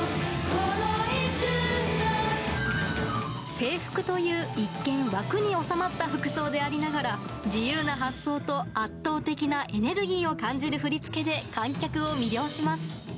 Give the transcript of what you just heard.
制服という一見、枠に収まった服装でありながら、自由な発想と圧倒的なエネルギーを感じる振り付けで、観客を魅了します。